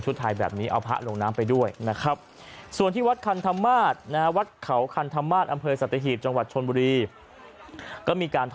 สืบทอดกันมายาวนานนะฮะตั้งแต่อดีตจนถึงปัจจุบัน